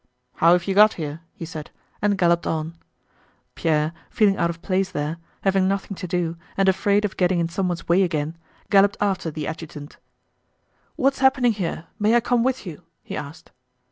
"How have you got here?" he said, and galloped on. Pierre, feeling out of place there, having nothing to do, and afraid of getting in someone's way again, galloped after the adjutant. "What's happening here? May I come with you?" he asked.